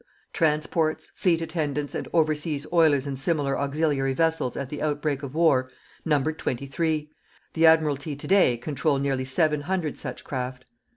Transports, fleet attendants and overseas oilers and similar auxiliary vessels at the outbreak of war numbered 23; the Admiralty to day control nearly 700 such craft.